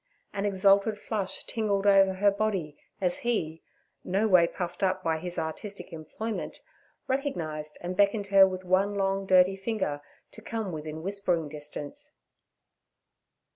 An exalted flush tingled over her body as he, no way puffed up by his artistic employment, recognised and beckoned her with one long, dirty finger to come within whispering distance.